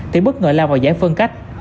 thì bất ngờ lao vào giải phân cách